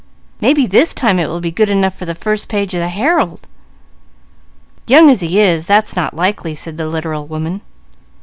Mebby this time it will be good enough for the first page of the Herald." "Young as he is, that's not likely," said the literal woman.